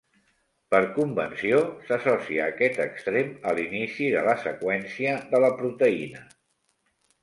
Per convenció, s'associa aquest extrem a l'inici de la seqüència de la proteïna.